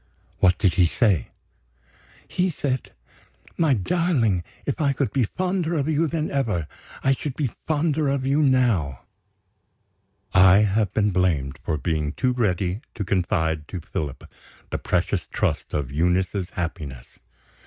"What did he say?" "He said: 'My darling, if I could be fonder of you than ever, I should be fonder of you now.'" I have been blamed for being too ready to confide to Philip the precious trust of Eunice's happiness.